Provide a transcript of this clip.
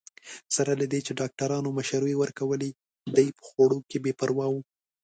سره له دې چې ډاکټرانو مشورې ورکولې، دی په خوړو کې بې پروا وو.